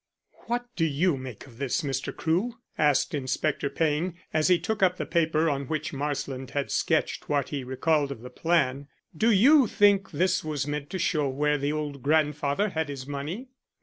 "What do you make of this, Mr. Crewe?" asked Inspector Payne, as he took up the paper on which Marsland had sketched what he recalled of the plan. "Do you think this was meant to show where the old grandfather had his money?"